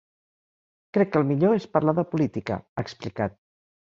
Crec que el millor és parlar de política, ha explicat.